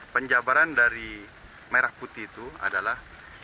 penjabaran dari merah putih itu adalah